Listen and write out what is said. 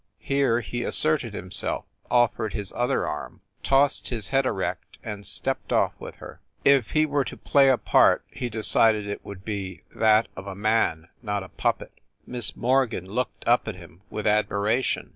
Here he asserted himself, offered his other arm, tossed his head erect, and stepped off with her. If he were to play a part he decided it would be that of a man, not a puppet. Miss Morgan looked up at him with admiration.